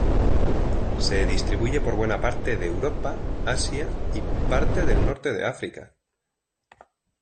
Se distribuye por buena parte de Europa, Asia y parte del norte de África.